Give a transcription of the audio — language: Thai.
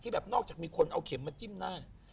แบบนอกจากมีคนเอาเข็มมาจิ้มหน้า